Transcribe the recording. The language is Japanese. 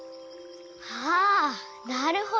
ああなるほど！